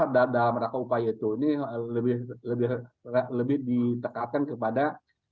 dalam rangka upaya itu ini lebih ditekatkan kepada